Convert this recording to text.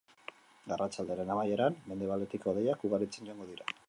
Arratsaldearen amaieran mendebaldetik hodeiak ugaritzen joango dira.